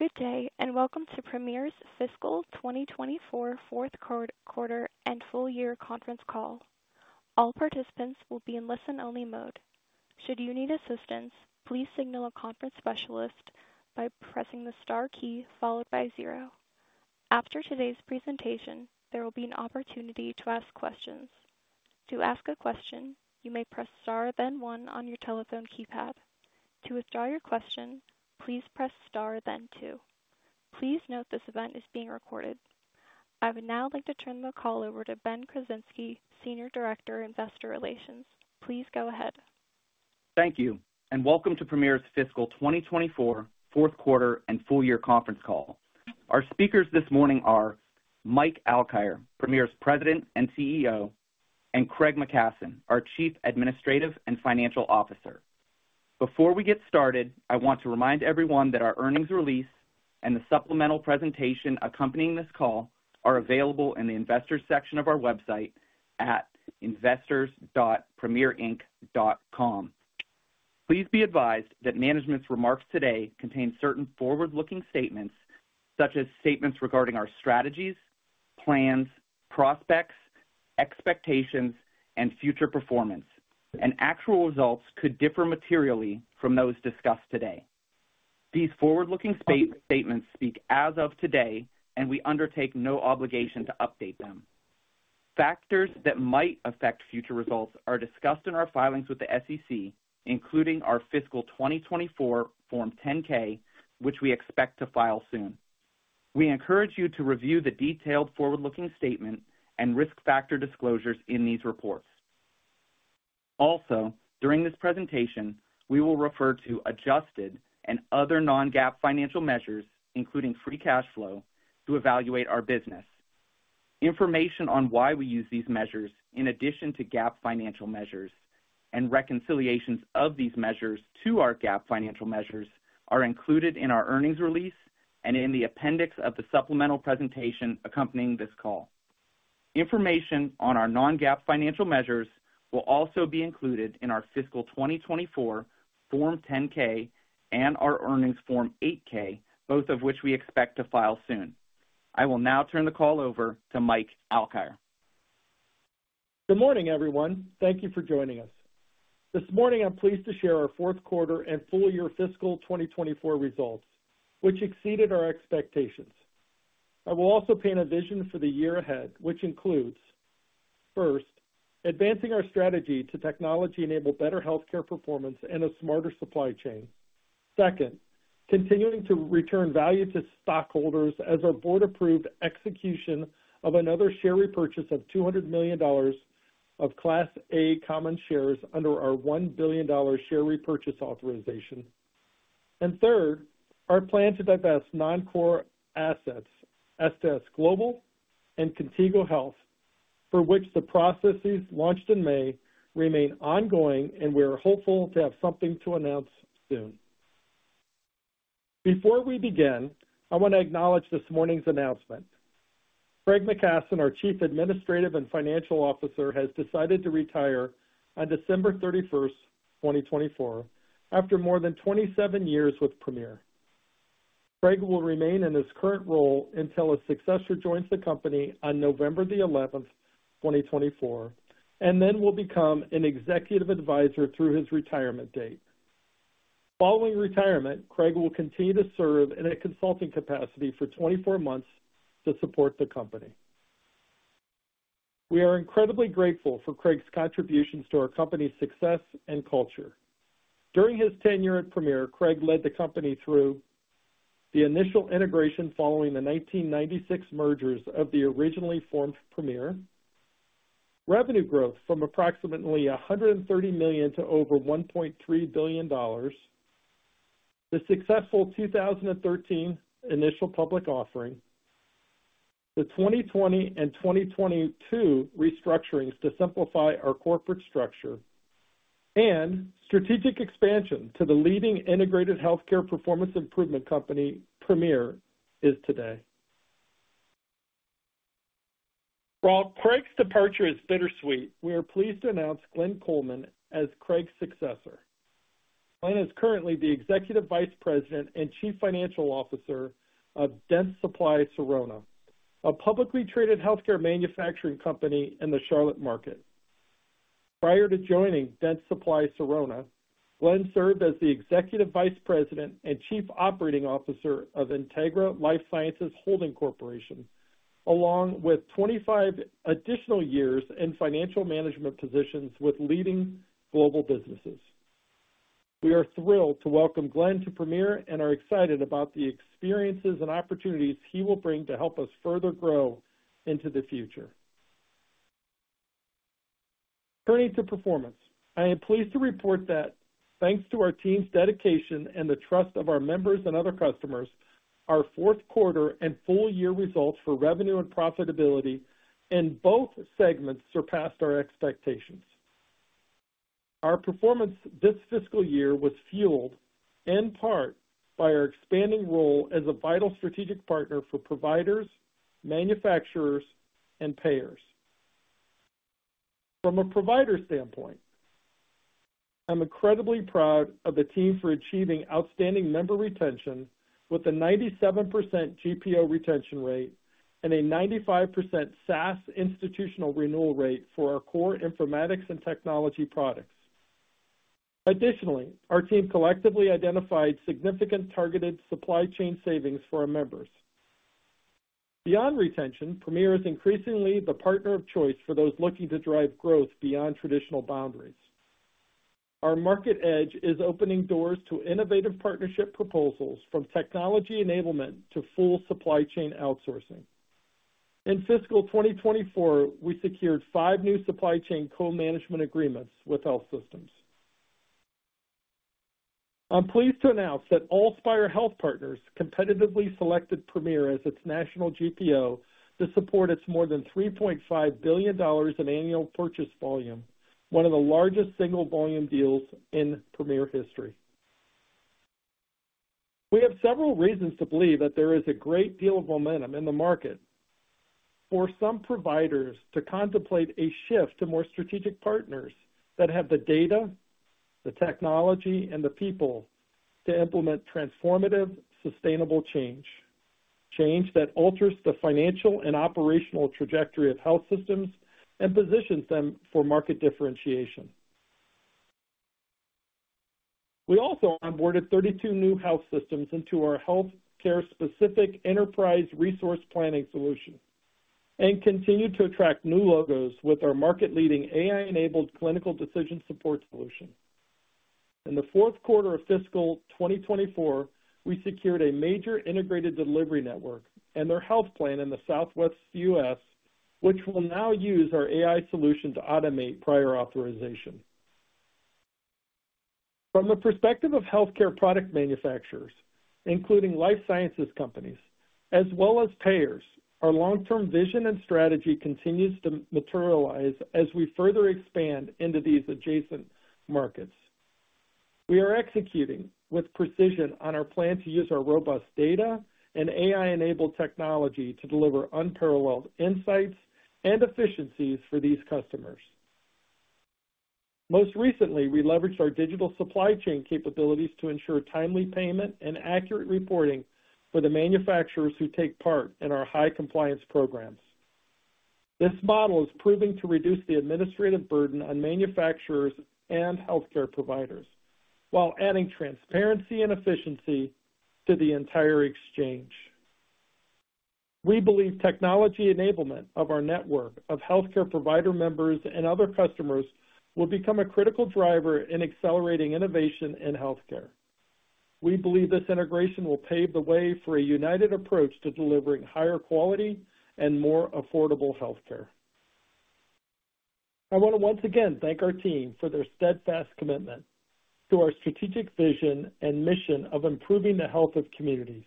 Good day, and welcome to Premier's Fiscal 2024 Q4 and full year conference call. All participants will be in listen-only mode. Should you need assistance, please signal a conference specialist by pressing the star key followed by zero. After today's presentation, there will be an opportunity to ask questions. To ask a question, you may press star then one on your telephone keypad. To withdraw your question, please press star then two. Please note this event is being recorded. I would now like to turn the call over to Ben Krasinski, Senior Director, Investor Relations. Please go ahead. Thank you, and welcome to Premier's Fiscal 2024 Q4 and full year conference call. Our speakers this morning are Mike Alkire, Premier's President and CEO, and Craig McKasson, our Chief Administrative and Financial Officer. Before we get started, I want to remind everyone that our earnings release and the supplemental presentation accompanying this call are available in the Investors section of our website at investors.premierinc.com. Please be advised that management's remarks today contain certain forward-looking statements, such as statements regarding our strategies, plans, prospects, expectations, and future performance, and actual results could differ materially from those discussed today. These forward-looking statements speak as of today, and we undertake no obligation to update them. Factors that might affect future results are discussed in our filings with the SEC, including our fiscal 2024 Form 10-K, which we expect to file soon. We encourage you to review the detailed forward-looking statement and risk factor disclosures in these reports. Also, during this presentation, we will refer to adjusted and other non-GAAP financial measures, including free cash flow, to evaluate our business. Information on why we use these measures in addition to GAAP financial measures and reconciliations of these measures to our GAAP financial measures are included in our earnings release and in the appendix of the supplemental presentation accompanying this call. Information on our non-GAAP financial measures will also be included in our fiscal 2024 Form 10-K and our earnings Form 8-K, both of which we expect to file soon. I will now turn the call over to Mike Alkire. Good morning, everyone. Thank you for joining us. This morning, I'm pleased to share our Q4 and full year fiscal 2024 results, which exceeded our expectations. I will also paint a vision for the year ahead, which includes, first, advancing our strategy to technology-enabled better healthcare performance and a smarter supply chain. Second, continuing to return value to stockholders as our board-approved execution of another share repurchase of $200 million of Class A Common Shares under our $1 billion share repurchase authorization, and third, our plan to divest non-core assets, S2S Global and Contigo Health, for which the processes launched in May, remain ongoing, and we are hopeful to have something to announce soon. Before we begin, I want to acknowledge this morning's announcement. Craig McKasson, our Chief Administrative and Financial Officer, has decided to retire on December 31, 2024 after more than 27 years with Premier. Craig will remain in his current role until a successor joins the company on November 11th, 2024, and then will become an executive advisor through his retirement date. Following retirement, Craig will continue to serve in a consulting capacity for 24 months to support the company. We are incredibly grateful for Craig's contributions to our company's success and culture. During his tenure at Premier, Craig led the company through the initial integration following the 1996 mergers of the originally formed Premier, revenue growth from approximately $130 million to over $1.3 billion, the successful 2013 initial public offering, the 2020 and 2022 restructurings to simplify our corporate structure, and strategic expansion to the leading integrated healthcare performance improvement company Premier is today. While Craig's departure is bittersweet, we are pleased to announce Glenn Coleman as Craig's successor. Glenn is currently the Executive Vice President and Chief Financial Officer of Dentsply Sirona, a publicly traded healthcare manufacturing company in the Charlotte market. Prior to joining Dentsply Sirona, Glenn served as the Executive Vice President and Chief Operating Officer of Integra LifeSciences Holdings Corporation, along with 25 additional years in financial management positions with leading global businesses. We are thrilled to welcome Glenn to Premier and are excited about the experiences and opportunities he will bring to help us further grow into the future. Turning to performance, I am pleased to report that thanks to our team's dedication and the trust of our members and other customers, our Q4 and full year results for revenue and profitability in both segments surpassed our expectations. Our performance this fiscal year was fueled in part by our expanding role as a vital strategic partner for providers, manufacturers, and payers... From a provider standpoint, I'm incredibly proud of the team for achieving outstanding member retention with a 97% GPO retention rate and a 95% SaaS institutional renewal rate for our core informatics and technology products. Additionally, our team collectively identified significant targeted supply chain savings for our members. Beyond retention, Premier is increasingly the partner of choice for those looking to drive growth beyond traditional boundaries. Our market edge is opening doors to innovative partnership proposals, from technology enablement to full supply chain outsourcing. In fiscal 2024, we secured five new supply chain co-management agreements with health systems. I'm pleased to announce that AllSpire Health Partners competitively selected Premier as its national GPO to support its more than $3.5 billion in annual purchase volume, one of the largest single volume deals in Premier history. We have several reasons to believe that there is a great deal of momentum in the market for some providers to contemplate a shift to more strategic partners that have the data, the technology, and the people to implement transformative, sustainable change, change that alters the financial and operational trajectory of health systems and positions them for market differentiation. We also onboarded 32 new health systems into our healthcare-specific enterprise resource planning solution and continued to attract new logos with our market-leading AI-enabled clinical decision support solution. In the Q4 of fiscal 2024, we secured a major integrated delivery network and their health plan in the Southwest U.S., which will now use our AI solution to automate prior authorization. From the perspective of healthcare product manufacturers, including life sciences companies as well as payers, our long-term vision and strategy continues to materialize as we further expand into these adjacent markets. We are executing with precision on our plan to use our robust data and AI-enabled technology to deliver unparalleled insights and efficiencies for these customers. Most recently, we leveraged our digital supply chain capabilities to ensure timely payment and accurate reporting for the manufacturers who take part in our high compliance programs. This model is proving to reduce the administrative burden on manufacturers and healthcare providers, while adding transparency and efficiency to the entire exchange. We believe technology enablement of our network of healthcare provider members and other customers will become a critical driver in accelerating innovation in healthcare. We believe this integration will pave the way for a united approach to delivering higher quality and more affordable healthcare. I want to once again thank our team for their steadfast commitment to our strategic vision and mission of improving the health of communities.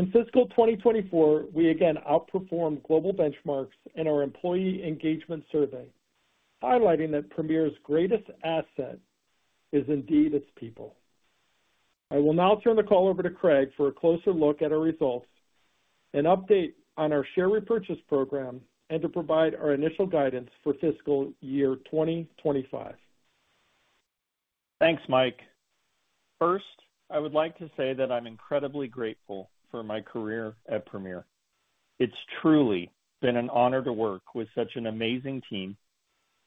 In fiscal 2024, we again outperformed global benchmarks in our employee engagement survey, highlighting that Premier's greatest asset is indeed its people. I will now turn the call over to Craig for a closer look at our results, an update on our share repurchase program, and to provide our initial guidance for fiscal year 2025. Thanks, Mike. First, I would like to say that I'm incredibly grateful for my career at Premier. It's truly been an honor to work with such an amazing team,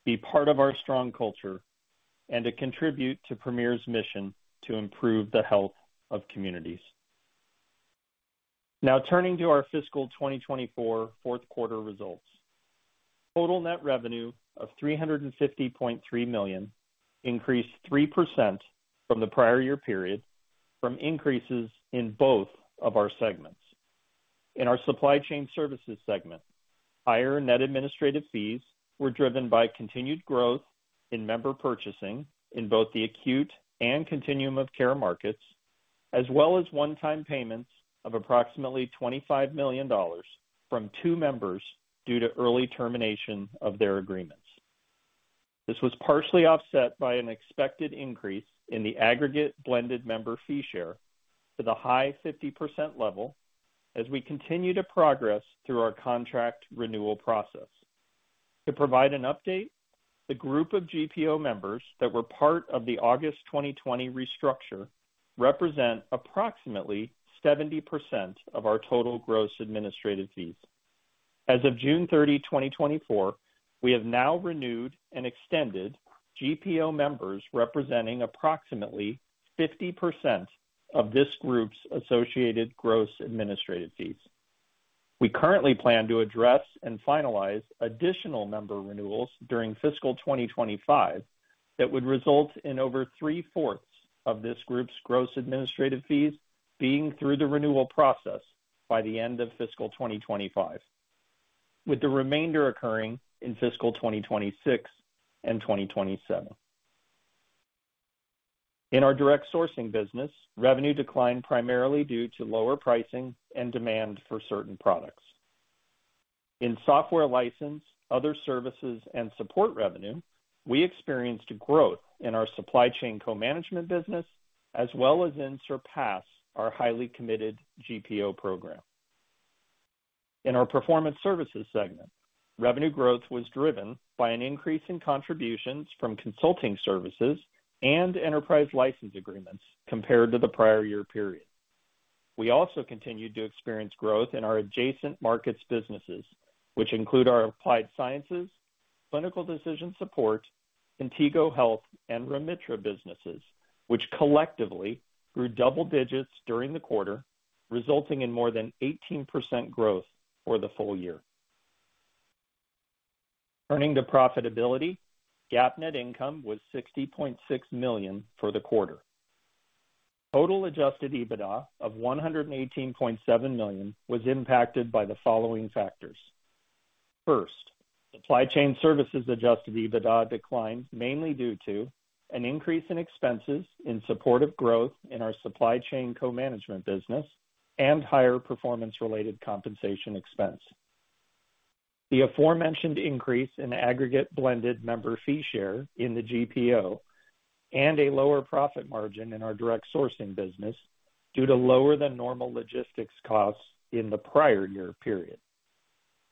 be part of our strong culture, and to contribute to Premier's mission to improve the health of communities. Now, turning to our fiscal 2024 Q4 results. Total net revenue of $350.3 million increased 3% from the prior year period from increases in both of our segments. In our Supply Chain Services segment, higher net administrative fees were driven by continued growth in member purchasing in both the acute and continuum of care markets, as well as one-time payments of approximately $25 million from two members due to early termination of their agreements. This was partially offset by an expected increase in the aggregate blended member fee share to the high 50% level as we continue to progress through our contract renewal process. To provide an update, the group of GPO members that were part of the August 2020 restructure represent approximately 70% of our total gross administrative fees. As of June 30, 2024, we have now renewed and extended GPO members representing approximately 50% of this group's associated gross administrative fees. We currently plan to address and finalize additional member renewals during fiscal 2025, that would result in over three-fourths of this group's gross administrative fees being through the renewal process by the end of fiscal 2025, with the remainder occurring in fiscal 2026 and 2027. In our direct sourcing business, revenue declined primarily due to lower pricing and demand for certain products. In software license, other services, and support revenue, we experienced growth in our supply chain co-management business, as well as in SURPASS, our highly committed GPO program. In our Performance Services segment, revenue growth was driven by an increase in contributions from consulting services and enterprise license agreements compared to the prior year period. We also continued to experience growth in our adjacent markets businesses, which include our Applied Sciences, clinical decision support, Contigo Health, and Remitra businesses, which collectively grew double digits during the quarter, resulting in more than 18% growth for the full year. Turning to profitability, GAAP net income was $60.6 million for the quarter. Total adjusted EBITDA of $118.7 million was impacted by the following factors. First, Supply Chain Services adjusted EBITDA declined mainly due to an increase in expenses in support of growth in our supply chain co-management business and higher performance-related compensation expense. The aforementioned increase in aggregate blended member fee share in the GPO, and a lower profit margin in our direct sourcing business, due to lower than normal logistics costs in the prior year period.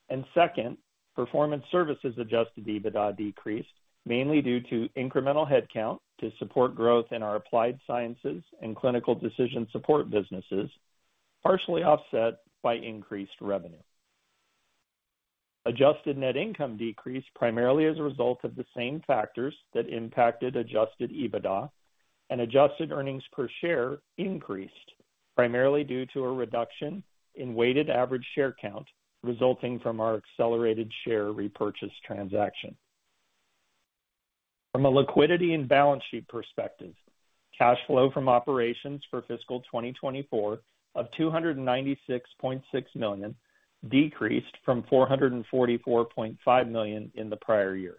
And second, Performance Services adjusted EBITDA decreased, mainly due to incremental headcount to support growth in our Applied Sciences and clinical decision support businesses, partially offset by increased revenue. Adjusted net income decreased primarily as a result of the same factors that impacted adjusted EBITDA, and adjusted earnings per share increased, primarily due to a reduction in weighted average share count, resulting from our accelerated share repurchase transaction. From a liquidity and balance sheet perspective, cash flow from operations for fiscal 2024 of $296.6 million, decreased from $444.5 million in the prior year.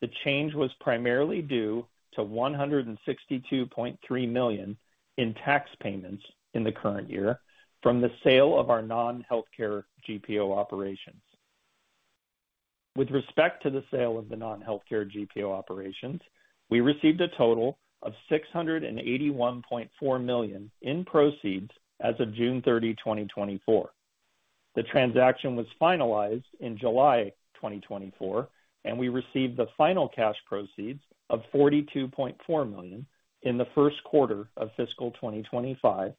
The change was primarily due to $162.3 million in tax payments in the current year from the sale of our non-healthcare GPO operations. With respect to the sale of the non-healthcare GPO operations, we received a total of $681.4 million in proceeds as of June 30, 2024. The transaction was finalized in July 2024, and we received the final cash proceeds of $42.4 million in the Q1 of fiscal 2025,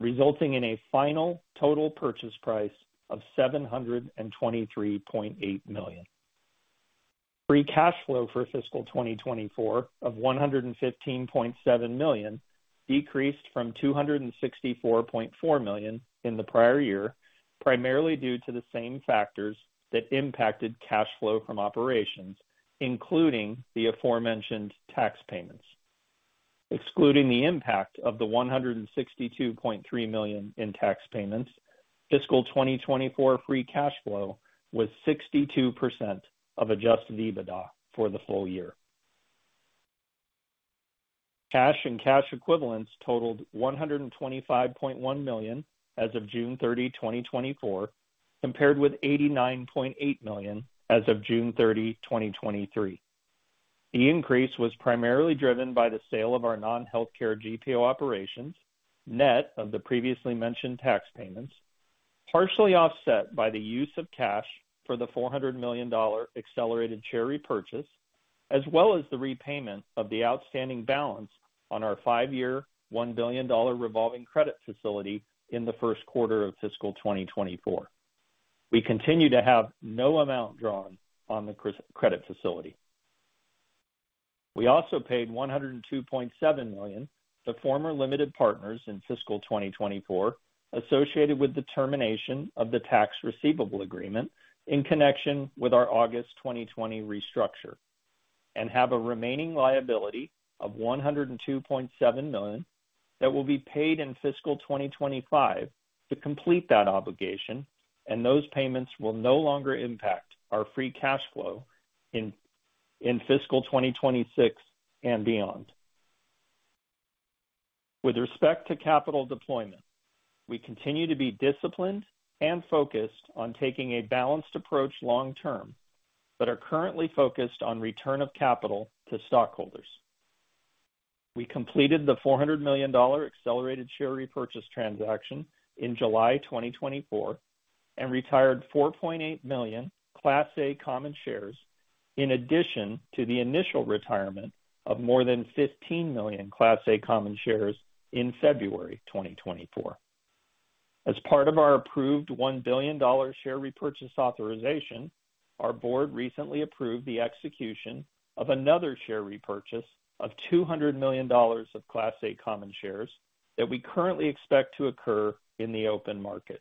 resulting in a final total purchase price of $723.8 million. Free Cash Flow for fiscal 2024 of $115.7 million, decreased from $264.4 million in the prior year, primarily due to the same factors that impacted cash flow from operations, including the aforementioned tax payments. Excluding the impact of the $162.3 million in tax payments, fiscal 2024 Free Cash Flow was 62% of Adjusted EBITDA for the full year. Cash and cash equivalents totaled $125.1 million as of June thirty, 2024, compared with $89.8 million as of June 30, 2023. The increase was primarily driven by the sale of our non-healthcare GPO operations, net of the previously mentioned tax payments, partially offset by the use of cash for the $400 million accelerated share repurchase, as well as the repayment of the outstanding balance on our five-year, $1 billion revolving credit facility in the Q1 of fiscal 2024. We continue to have no amount drawn on the credit facility. We also paid $102.7 million to former limited partners in fiscal 2024, associated with the termination of the tax receivable agreement in connection with our August 2020 restructure, and have a remaining liability of $102.7 million, that will be paid in fiscal 2025 to complete that obligation, and those payments will no longer impact our free cash flow in fiscal 2026 and beyond. With respect to capital deployment, we continue to be disciplined and focused on taking a balanced approach long term, but are currently focused on return of capital to stockholders. We completed the $400 million accelerated share repurchase transaction in July 2024, and retired 4.8 million Class A Common Shares, in addition to the initial retirement of more than 15 million Class A Common Shares in February 2024. As part of our approved $1 billion share repurchase authorization, our board recently approved the execution of another share repurchase of $200 million of Class A Common Shares, that we currently expect to occur in the open market.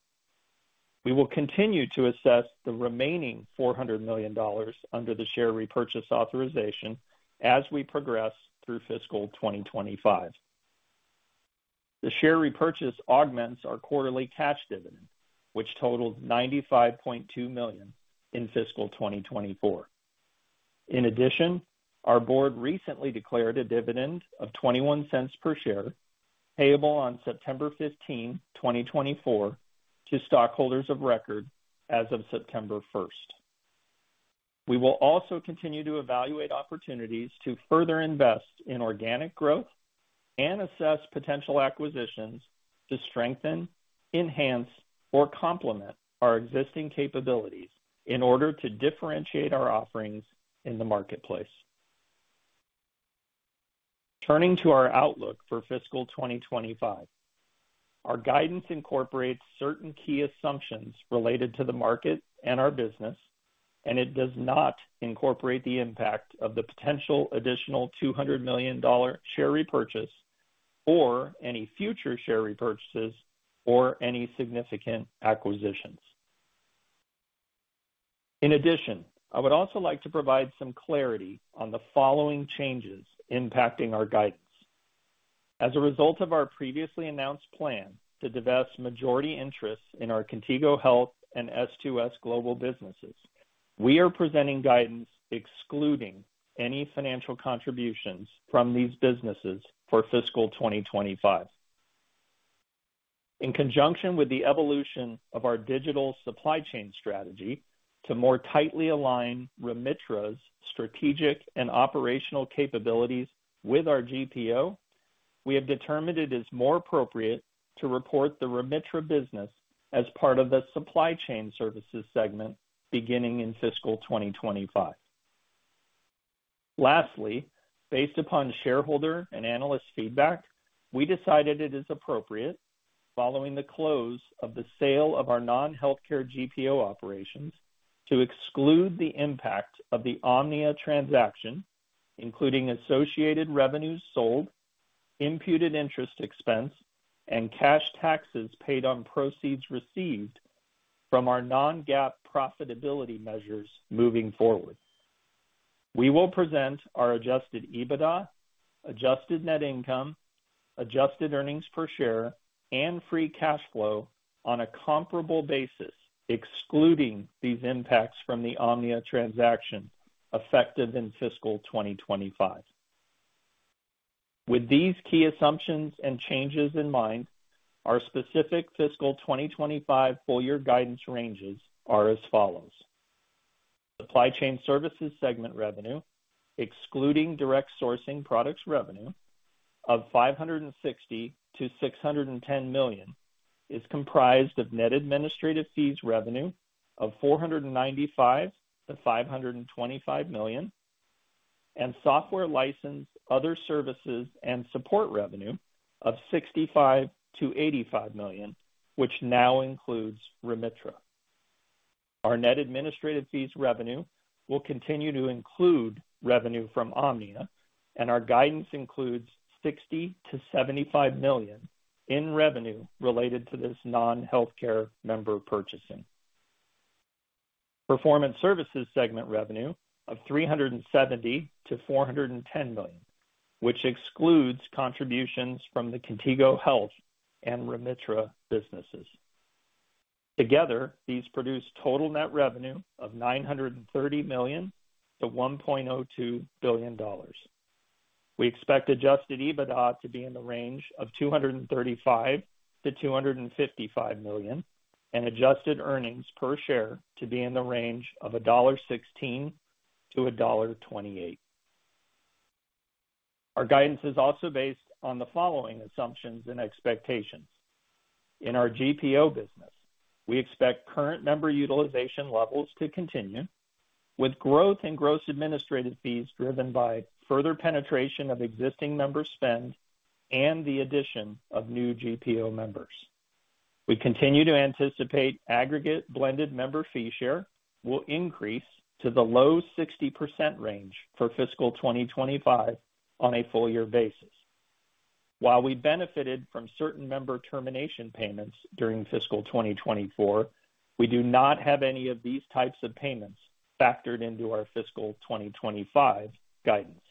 We will continue to assess the remaining $400 million under the share repurchase authorization as we progress through fiscal 2025. The share repurchase augments our quarterly cash dividend, which totaled 95.2 million in fiscal 2024. In addition, our board recently declared a dividend of $0.21 per share, payable on September 15, 2024, to stockholders of record as of September first. We will also continue to evaluate opportunities to further invest in organic growth and assess potential acquisitions to strengthen, enhance, or complement our existing capabilities in order to differentiate our offerings in the marketplace. Turning to our outlook for fiscal 2025. Our guidance incorporates certain key assumptions related to the market and our business, and it does not incorporate the impact of the potential additional $200 million share repurchase, or any future share repurchases, or any significant acquisitions. In addition, I would also like to provide some clarity on the following changes impacting our guidance. As a result of our previously announced plan to divest majority interests in our Contigo Health and S2S Global businesses, we are presenting guidance excluding any financial contributions from these businesses for fiscal 2025. In conjunction with the evolution of our digital supply chain strategy, to more tightly align Remitra's strategic and operational capabilities with our GPO, we have determined it is more appropriate to report the Remitra business as part of the Supply Chain Services segment beginning in fiscal 2025. Lastly, based upon shareholder and analyst feedback, we decided it is appropriate, following the close of the sale of our non-healthcare GPO operations, to exclude the impact of the OMNIA transaction, including associated revenues sold, imputed interest expense, and cash taxes paid on proceeds received from our non-GAAP profitability measures moving forward. We will present our Adjusted EBITDA, adjusted net income, adjusted earnings per share, and Free Cash Flow on a comparable basis, excluding these impacts from the OMNIA transaction, effective in fiscal 2025. With these key assumptions and changes in mind, our specific fiscal 2025 full year guidance ranges are as follows: Supply Chain Services segment revenue, excluding direct sourcing products revenue of $560 million-$610 million, is comprised of net administrative fees revenue of $495 million-$525 million, and software license, other services, and support revenue of $65 million-$85 million, which now includes Remitra. Our net administrative fees revenue will continue to include revenue from OMNIA, and our guidance includes $60 million-$75 million in revenue related to this non-healthcare member purchasing. Performance Services segment revenue of $370 million-$410 million, which excludes contributions from the Contigo Health and Remitra businesses. Together, these produce total net revenue of $930 million-$1.02 billion. We expect Adjusted EBITDA to be in the range of $235 million-$255 million, and adjusted earnings per share to be in the range of $1.16-$1.28. Our guidance is also based on the following assumptions and expectations. In our GPO business, we expect current member utilization levels to continue, with growth in gross administrative fees driven by further penetration of existing member spend and the addition of new GPO members. We continue to anticipate aggregate blended member fee share will increase to the low 60% range for fiscal 2025 on a full year basis. While we benefited from certain member termination payments during fiscal 2024, we do not have any of these types of payments factored into our fiscal 2025 guidance.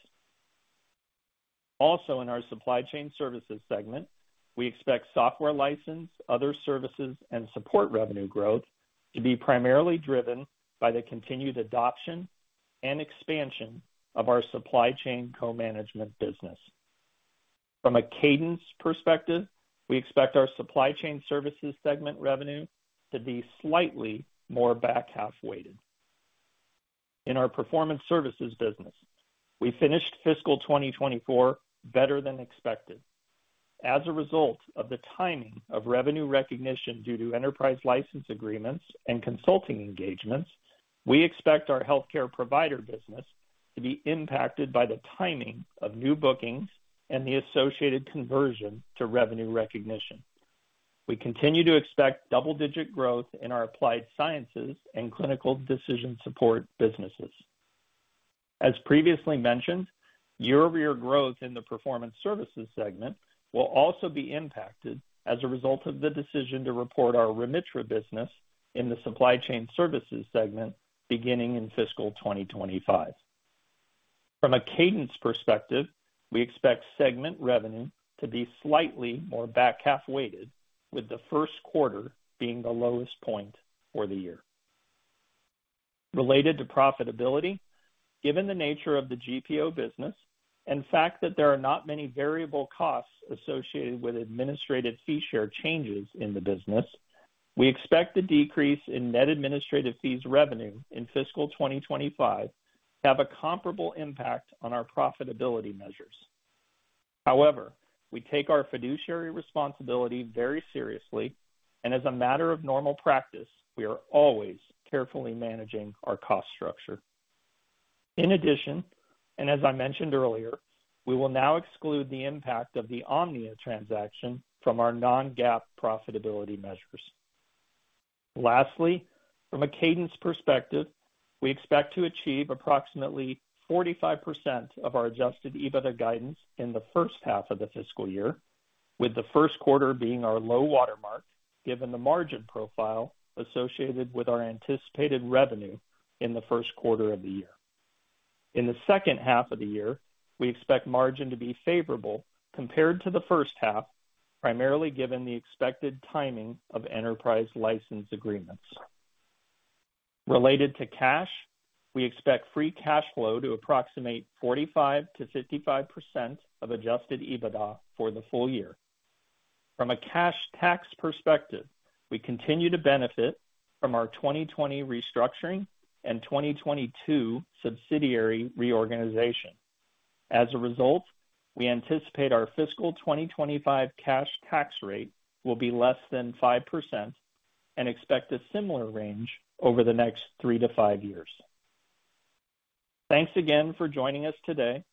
Also, in our Supply Chain Services segment, we expect software license, other services, and support revenue growth to be primarily driven by the continued adoption and expansion of our supply chain co-management business. From a cadence perspective, we expect our Supply Chain Services segment revenue to be slightly more back-half weighted. In our performance services business, we finished fiscal 2024 better than expected. As a result of the timing of revenue recognition due to enterprise license agreements and consulting engagements, we expect our healthcare provider business to be impacted by the timing of new bookings and the associated conversion to revenue recognition. We continue to expect double-digit growth in our Applied Sciences and clinical decision support businesses. As previously mentioned, year-over-year growth in the Performance Services segment will also be impacted as a result of the decision to report our Remitra business in the Supply Chain Services segment beginning in fiscal 2025. From a cadence perspective, we expect segment revenue to be slightly more back-half weighted, with the Q1 being the lowest point for the year. Related to profitability,... Given the nature of the GPO business and the fact that there are not many variable costs associated with administrative fee share changes in the business, we expect the decrease in net administrative fees revenue in fiscal 2025 to have a comparable impact on our profitability measures. However, we take our fiduciary responsibility very seriously, and as a matter of normal practice, we are always carefully managing our cost structure. In addition, and as I mentioned earlier, we will now exclude the impact of the OMNIA transaction from our non-GAAP profitability measures. Lastly, from a cadence perspective, we expect to achieve approximately 45% of our Adjusted EBITDA guidance in the first half of the fiscal year, with the Q1 being our low watermark, given the margin profile associated with our anticipated revenue in the Q1 of the year. In the second half of the year, we expect margin to be favorable compared to the first half, primarily given the expected timing of enterprise license agreements. Related to cash, we expect Free Cash Flow to approximate 45%-55% of Adjusted EBITDA for the full year. From a cash tax perspective, we continue to benefit from our 2020 restructuring and 2022 subsidiary reorganization. As a result, we anticipate our fiscal 2025 cash tax rate will be less than 5% and expect a similar range over the next three to five years. Thanks again for joining us today.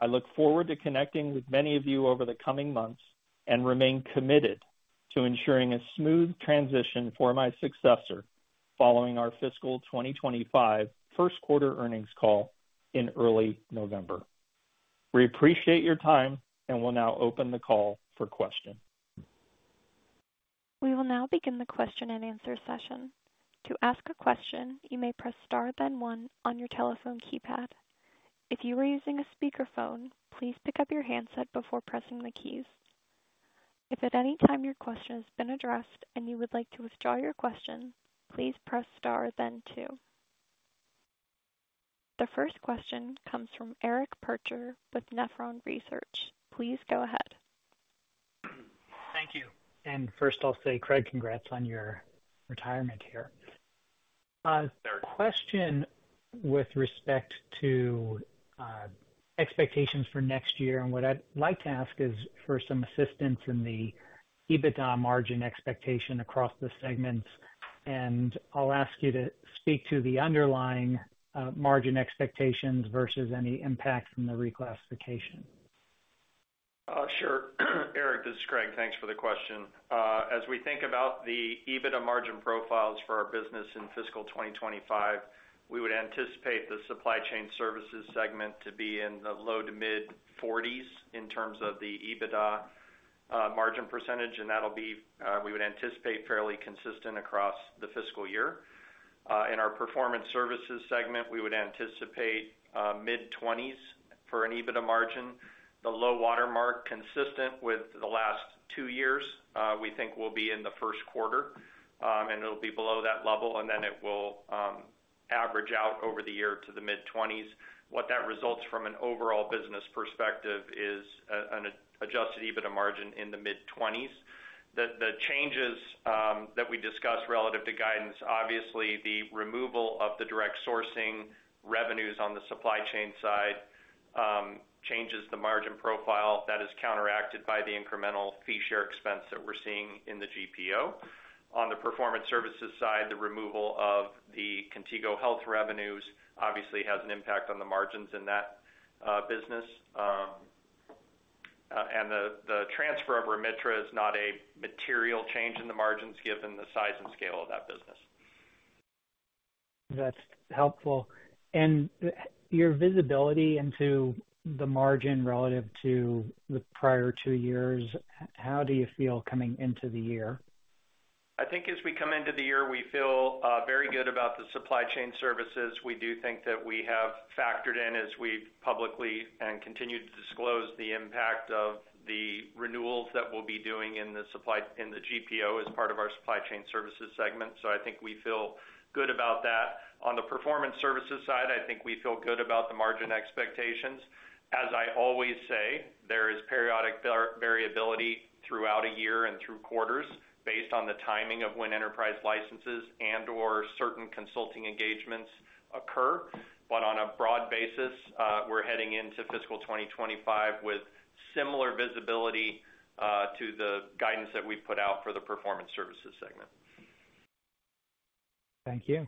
I look forward to connecting with many of you over the coming months and remain committed to ensuring a smooth transition for my successor following our fiscal 2025 Q1 earnings call in early November. We appreciate your time, and we'll now open the call for questions. We will now begin the question-and-answer session. To ask a question, you may press star, then one on your telephone keypad. If you are using a speakerphone, please pick up your handset before pressing the keys. If at any time your question has been addressed and you would like to withdraw your question, please press star then two. The first question comes from Eric Percher with Nephron Research. Please go ahead. Thank you. And first, I'll say, Craig, congrats on your retirement here. Thank you. Question with respect to expectations for next year, and what I'd like to ask is for some assistance in the EBITDA margin expectation across the segments, and I'll ask you to speak to the underlying margin expectations versus any impact from the reclassification. Sure. Eric, this is Craig. Thanks for the question. As we think about the EBITDA margin profiles for our business in fiscal 2025, we would anticipate the Supply Chain Services segment to be in the low to mid-forties in terms of the EBITDA margin percentage, and that'll be, we would anticipate, fairly consistent across the fiscal year. In our Performance Services segment, we would anticipate mid-twenties for an EBITDA margin. The low water mark, consistent with the last two years, we think will be in the Q1, and it'll be below that level, and then it will average out over the year to the mid-twenties. What that results from an overall business perspective is an adjusted EBITDA margin in the mid-twenties. The changes that we discuss relative to guidance, obviously, the removal of the direct sourcing revenues on the supply chain side changes the margin profile that is counteracted by the incremental fee share expense that we're seeing in the GPO. On the Performance Services side, the removal of the Contigo Health revenues obviously has an impact on the margins in that business, and the transfer of Remitra is not a material change in the margins given the size and scale of that business. That's helpful, and your visibility into the margin relative to the prior two years, how do you feel coming into the year? I think as we come into the year, we feel very good about the Supply Chain Services. We do think that we have factored in as we've publicly and continued to disclose the impact of the renewals that we'll be doing in the supply in the GPO as part of our Supply Chain Services segment. So I think we feel good about that. On the Performance Services side, I think we feel good about the margin expectations. As I always say, there is periodic variability throughout a year and through quarters based on the timing of when enterprise licenses and/or certain consulting engagements occur, but on a broad basis, we're heading into fiscal 2025 with similar visibility to the guidance that we've put out for the Performance Services segment. Thank you.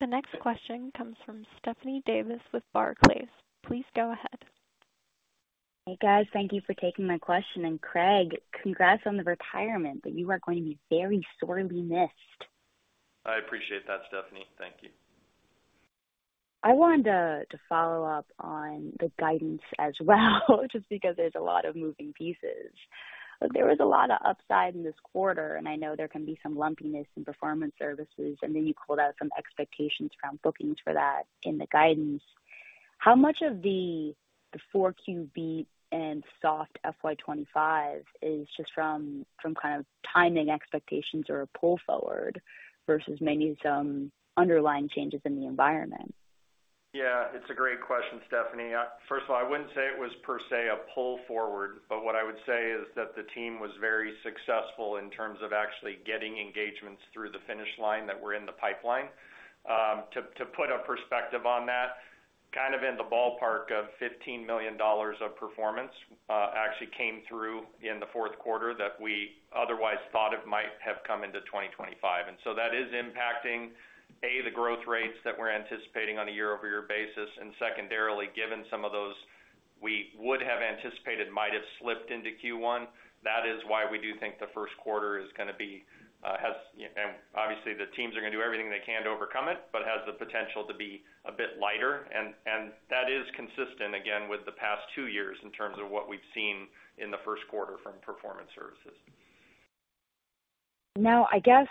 The next question comes from Stephanie Davis with Barclays. Please go ahead. Hey, guys. Thank you for taking my question. And Craig, congrats on the retirement, but you are going to be very sorely missed. I appreciate that, Stephanie. Thank you. I wanted to follow up on the guidance as well, just because there's a lot of moving pieces. There was a lot of upside in this quarter, and I know there can be some lumpiness in performance services, and then you pulled out some expectations around bookings for that in the guidance. How much of the 4Q beat and soft FY 2025 is just from kind of timing expectations or a pull forward versus maybe some underlying changes in the environment? Yeah, it's a great question, Stephanie. First of all, I wouldn't say it was per se a pull forward, but what I would say is that the team was very successful in terms of actually getting engagements through the finish line that were in the pipeline. To put a perspective on that, kind of in the ballpark of $15 million of performance actually came through in the Q4 that we otherwise thought it might have come into 2025. And so that is impacting, a, the growth rates that we're anticipating on a year-over-year basis, and secondarily, given some of those we would have anticipated might have slipped into Q1. That is why we do think the Q1 is gonna be, and obviously, the teams are gonna do everything they can to overcome it, but has the potential to be a bit lighter, and that is consistent, again, with the past two years in terms of what we've seen in the Q1 from Performance Services. Now, I guess,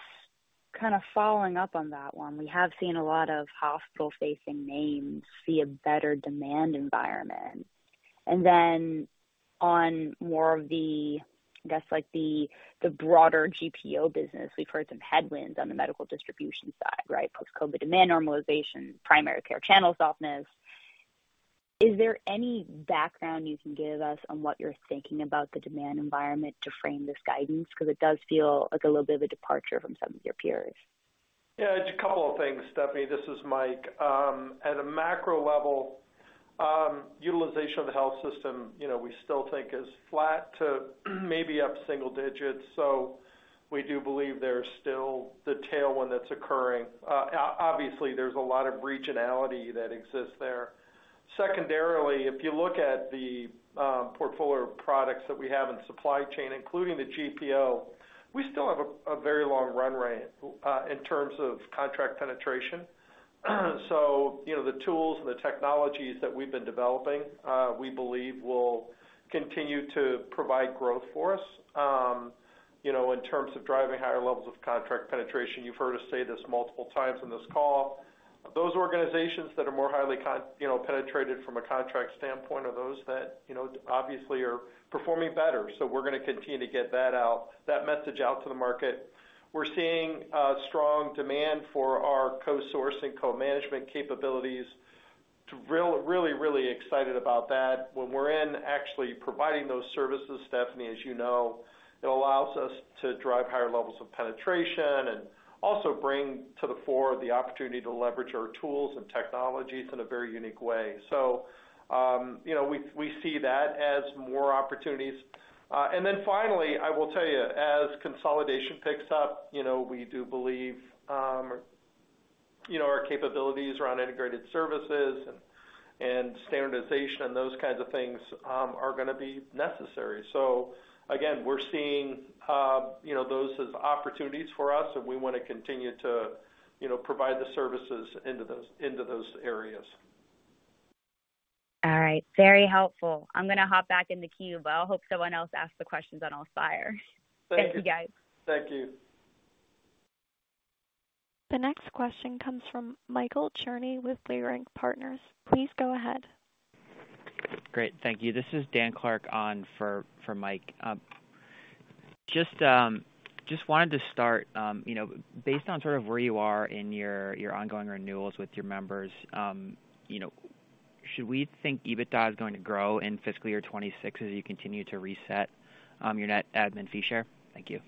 kind of following up on that one, we have seen a lot of hospital-facing names see a better demand environment. And then on more of the, I guess, like, the broader GPO business, we've heard some headwinds on the medical distribution side, right? Post-COVID demand normalization, primary care channel softness. Is there any background you can give us on what you're thinking about the demand environment to frame this guidance? Because it does feel like a little bit of a departure from some of your peers. Yeah, just a couple of things, Stephanie. This is Mike. At a macro level, utilization of the health system, you know, we still think is flat to maybe up single digits, so we do believe there's still the tailwind that's occurring. Obviously, there's a lot of regionality that exists there. Secondarily, if you look at the portfolio of products that we have in supply chain, including the GPO, we still have a very long run rate in terms of contract penetration. So, you know, the tools and the technologies that we've been developing, we believe will continue to provide growth for us, you know, in terms of driving higher levels of contract penetration. You've heard us say this multiple times on this call. Those organizations that are more highly committed, you know, penetrated from a contract standpoint are those that, you know, obviously are performing better. So we're gonna continue to get that out, that message out to the market. We're seeing strong demand for our co-sourcing, co-management capabilities. Really, really excited about that. When we're actually providing those services, Stephanie, as you know, it allows us to drive higher levels of penetration and also bring to the fore the opportunity to leverage our tools and technologies in a very unique way. So, you know, we see that as more opportunities. And then finally, I will tell you, as consolidation picks up, you know, we do believe our capabilities around integrated services and standardization and those kinds of things are gonna be necessary. So again, we're seeing, you know, those as opportunities for us, and we wanna continue to, you know, provide the services into those areas. All right. Very helpful. I'm gonna hop back in the queue, but I hope someone else asks the questions on AllSpire. Thank you. Thank you, guys. Thank you. The next question comes from Michael Cherney with Leerink Partners. Please go ahead. Great. Thank you. This is Dan Clark on for Mike. Just wanted to start, you know, based on sort of where you are in your ongoing renewals with your members, you know, should we think EBITDA is going to grow in fiscal year 2026 as you continue to reset your net admin fee share? Thank you.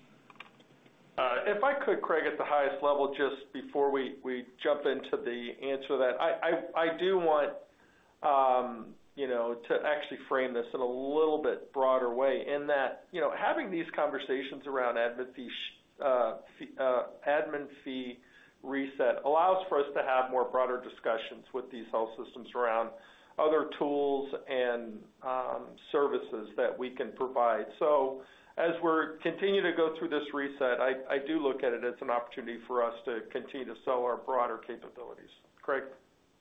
If I could, Craig, at the highest level, just before we jump into the answer to that, I do want, you know, to actually frame this in a little bit broader way, in that, you know, having these conversations around admin fee reset allows for us to have more broader discussions with these health systems around other tools and services that we can provide. So as we're continue to go through this reset, I do look at it as an opportunity for us to continue to sell our broader capabilities. Craig?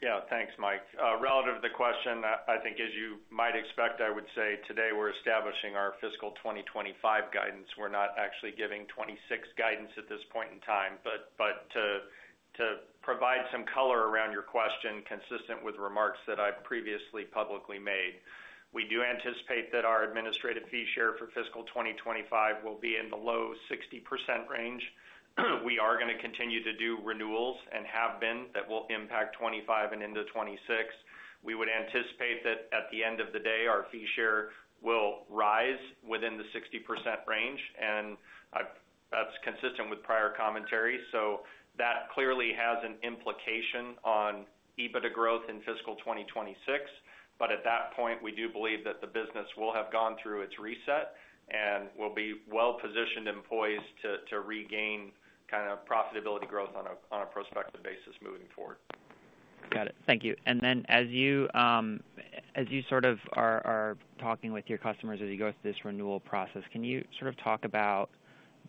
Yeah. Thanks, Mike. Relative to the question, I think as you might expect, I would say today we're establishing our fiscal 2025 guidance. We're not actually giving 2026 guidance at this point in time, but to provide some color around your question, consistent with remarks that I've previously publicly made, we do anticipate that our administrative fee share for fiscal 2025 will be in the low 60% range. We are gonna continue to do renewals and have been, that will impact 2025 and into 2026. We would anticipate that at the end of the day, our fee share will rise within the 60% range, and that's consistent with prior commentary. So that clearly has an implication on EBITDA growth in fiscal 2026. But at that point, we do believe that the business will have gone through its reset and will be well positioned and poised to regain kind of profitability growth on a prospective basis moving forward. Got it. Thank you. And then as you sort of are talking with your customers as you go through this renewal process, can you sort of talk about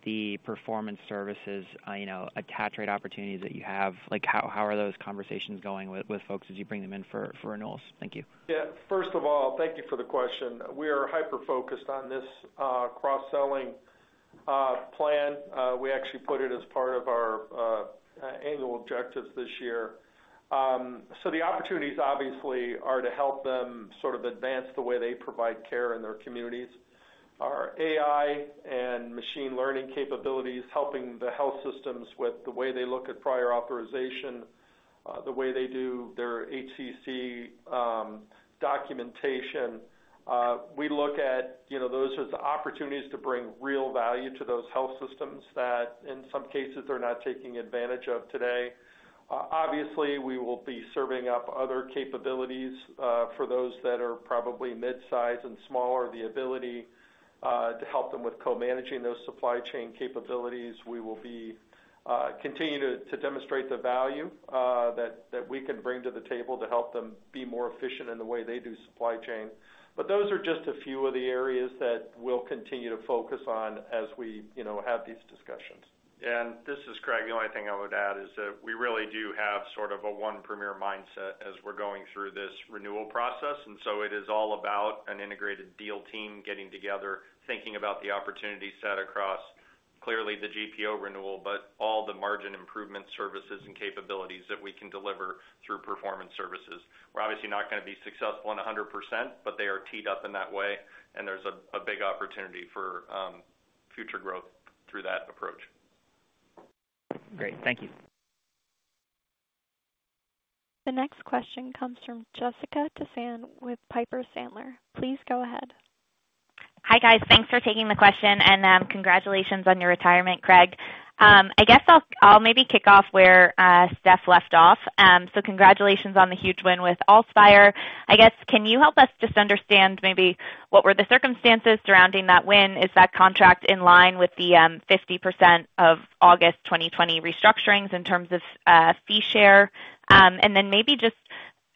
the performance services, you know, attach rate opportunities that you have? Like, how are those conversations going with folks as you bring them in for renewals? Thank you. Yeah. First of all, thank you for the question. We are hyper-focused on this cross-selling plan. We actually put it as part of our annual objectives this year. So the opportunities, obviously, are to help them sort of advance the way they provide care in their communities. Our AI and machine learning capabilities, helping the health systems with the way they look at prior authorization, the way they do their HCC documentation. We look at, you know, those as the opportunities to bring real value to those health systems that, in some cases, are not taking advantage of today. Obviously, we will be serving up other capabilities for those that are probably mid-size and smaller, the ability to help them with co-managing those supply chain capabilities. We will be continuing to demonstrate the value that we can bring to the table to help them be more efficient in the way they do supply chain. But those are just a few of the areas that we'll continue to focus on as we, you know, have these discussions. This is Craig. The only thing I would add is that we really do have sort of a one Premier mindset as we're going through this renewal process, and so it is all about an integrated deal team getting together, thinking about the opportunity set across, clearly the GPO renewal, but all the margin improvement services and capabilities that we can deliver through performance services. We're obviously not gonna be successful in 100%, but they are teed up in that way, and there's a big opportunity for future growth through that approach. Great, thank you. The next question comes from Jessica Tassan with Piper Sandler. Please go ahead. Hi, guys. Thanks for taking the question, and, congratulations on your retirement, Craig. I guess I'll maybe kick off where Steph left off. So congratulations on the huge win with AllSpire. I guess, can you help us just understand maybe what were the circumstances surrounding that win? Is that contract in line with the 50% of August 2020 restructurings in terms of fee share? And then maybe just,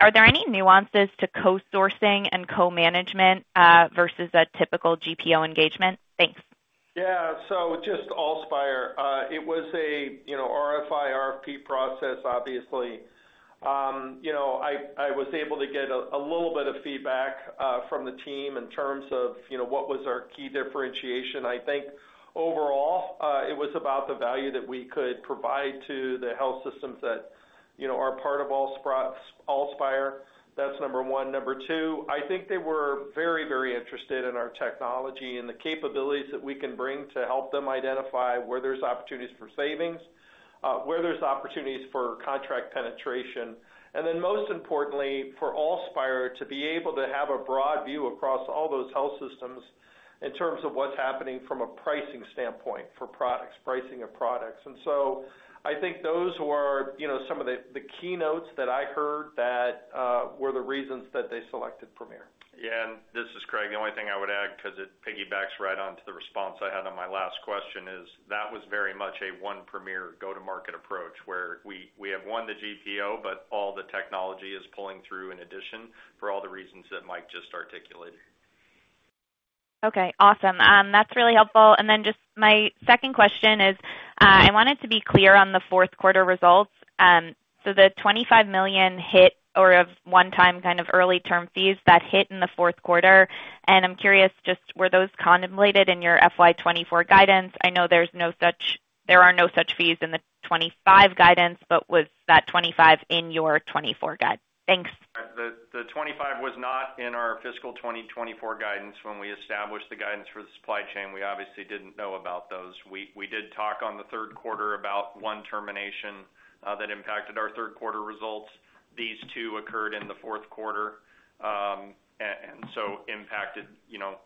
are there any nuances to co-sourcing and co-management versus a typical GPO engagement? Thanks. Yeah, so just AllSpire. It was a, you know, RFI, RFP process, obviously. You know, I was able to get a little bit of feedback from the team in terms of, you know, what was our key differentiation. I think overall, it was about the value that we could provide to the health systems that, you know, are part of AllSpire. That's number one. Number two, I think they were very, very interested in our technology and the capabilities that we can bring to help them identify where there's opportunities for savings, where there's opportunities for contract penetration, and then most importantly, for AllSpire to be able to have a broad view across all those health systems in terms of what's happening from a pricing standpoint for products, pricing of products. I think those were, you know, some of the keynotes that I heard that were the reasons that they selected Premier. Yeah, and this is Craig. The only thing I would add, 'cause it piggybacks right on to the response I had on my last question, is that was very much a one Premier go-to-market approach, where we have won the GPO, but all the technology is pulling through in addition, for all the reasons that Mike just articulated. Okay, awesome. That's really helpful. And then just my second question is, I wanted to be clear on the Q4 results. So the $25 million hit from one-time kind of early termination fees that hit in the Q4, and I'm curious, just were those contemplated in your FY 2024 guidance? I know there's no such-- there are no such fees in the 2025 guidance, but was that $25 million in your 2024 guide? Thanks. The 2025 was not in our fiscal 2024 guidance. When we established the guidance for the supply chain, we obviously didn't know about those. We did talk on the Q3 about one termination that impacted our Q3 results. These two occurred in the Q4, and so impacted, you know,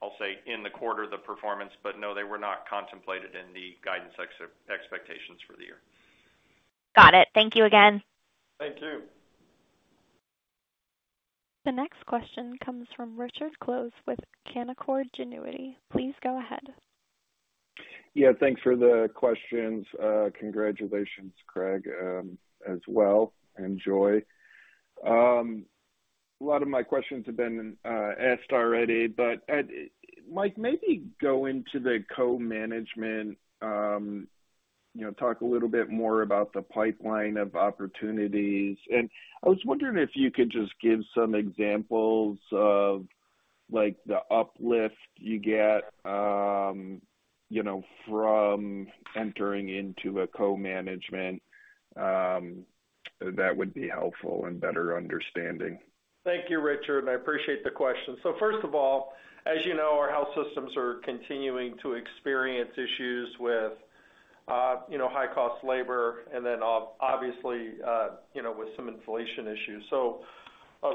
I'll say, in the quarter, the performance, but no, they were not contemplated in the guidance expectations for the year. Got it. Thank you again. Thank you. The next question comes from Richard Close with Canaccord Genuity. Please go ahead. Yeah, thanks for the questions. Congratulations, Craig, as well, enjoy. A lot of my questions have been asked already, but Mike, maybe go into the co-management, you know, talk a little bit more about the pipeline of opportunities. And I was wondering if you could just give some examples of, like, the uplift you get, you know, from entering into a co-management, that would be helpful in better understanding. Thank you, Richard. I appreciate the question. So first of all, as you know, our health systems are continuing to experience issues with, you know, high-cost labor and then obviously, you know, with some inflation issues. So,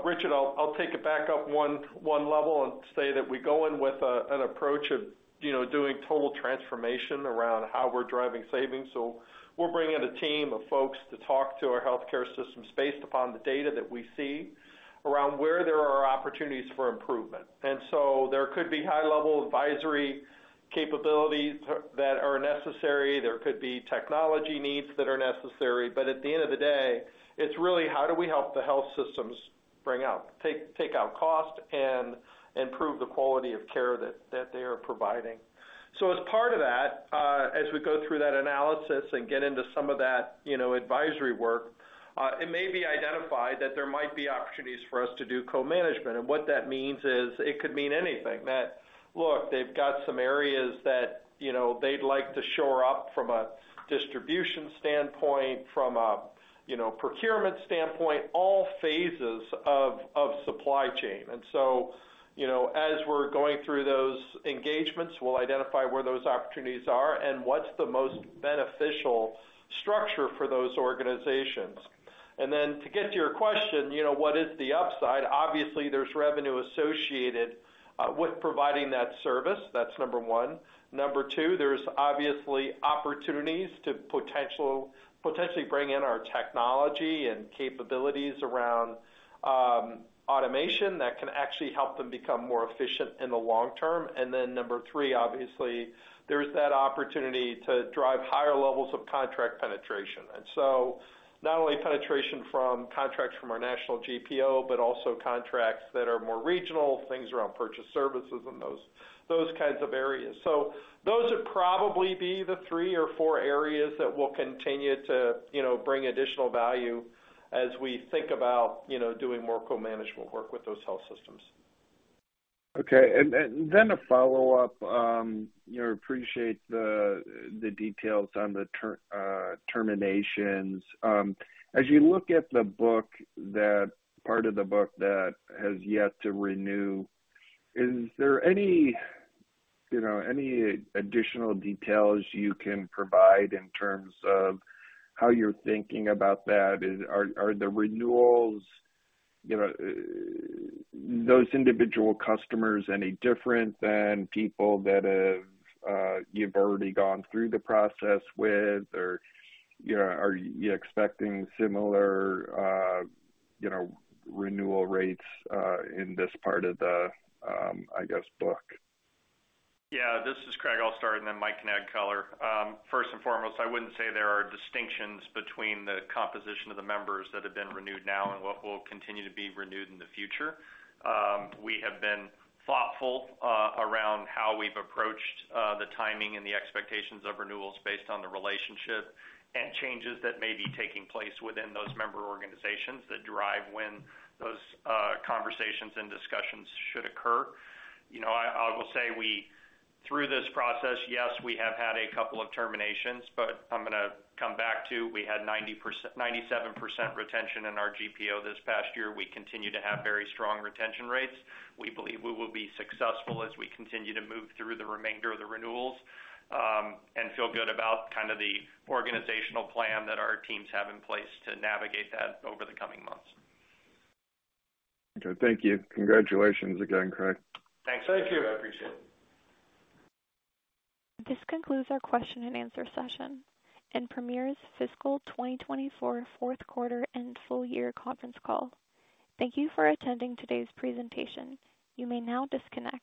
Richard, I'll take it back up one level and say that we go in with an approach of, you know, doing total transformation around how we're driving savings. So we're bringing in a team of folks to talk to our healthcare systems based upon the data that we see around where there are opportunities for improvement. And so there could be high-level advisory capabilities that are necessary, there could be technology needs that are necessary, but at the end of the day, it's really how do we help the health systems take out cost and improve the quality of care that they are providing? So as part of that, as we go through that analysis and get into some of that, you know, advisory work, it may be identified that there might be opportunities for us to do co-management. And what that means is, it could mean anything. That, look, they've got some areas that, you know, they'd like to shore up from a distribution standpoint, from a you know, procurement standpoint, all phases of supply chain. And so, you know, as we're going through those engagements, we'll identify where those opportunities are and what's the most beneficial structure for those organizations. And then to get to your question, you know, what is the upside? Obviously, there's revenue associated with providing that service. That's number one. Number two, there's obviously opportunities to potentially bring in our technology and capabilities around automation that can actually help them become more efficient in the long term. And then number three, obviously, there's that opportunity to drive higher levels of contract penetration. And so not only penetration from contracts from our national GPO, but also contracts that are more regional, things around purchased services and those, those kinds of areas. So those would probably be the three or four areas that will continue to, you know, bring additional value as we think about, you know, doing more co-management work with those health systems. Okay, and then a follow-up. You know, appreciate the details on the terminations. As you look at the book, that part of the book that has yet to renew, is there any, you know, any additional details you can provide in terms of how you're thinking about that? Are the renewals, you know, those individual customers, any different than people that have you've already gone through the process with? Or, you know, are you expecting similar, you know, renewal rates in this part of the I guess, book? Yeah, this is Craig McKasson, and then Mike Alkire. First and foremost, I wouldn't say there are distinctions between the composition of the members that have been renewed now and what will continue to be renewed in the future. We have been thoughtful around how we've approached the timing and the expectations of renewals based on the relationship and changes that may be taking place within those member organizations that derive when those conversations and discussions should occur. You know, I will say through this process, yes, we have had a couple of terminations, but I'm gonna come back to, we had 97% retention in our GPO this past year. We continue to have very strong retention rates. We believe we will be successful as we continue to move through the remainder of the renewals, and feel good about kind of the organizational plan that our teams have in place to navigate that over the coming months. Okay, thank you. Congratulations again, Craig. Thanks. Thank you. I appreciate it. This concludes our question and answer session and Premier's fiscal 2024 Q4 and full year conference call. Thank you for attending today's presentation. You may now disconnect.